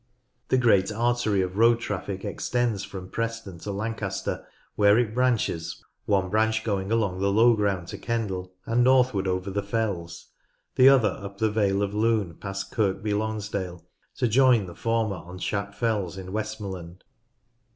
The great artery of road traffic extends from Preston to Lancaster, where it branches, one branch going along the low ground to Kendal and northward over the fells, the other up the vale of Lune past Kirkby Lonsdale, to join the former on Shap Fells in Westmorland.